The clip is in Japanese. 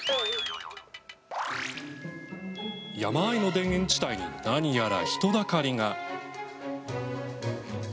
山あいの田園地帯になにやら人だかりが。